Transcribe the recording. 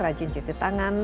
rajin cuci tangan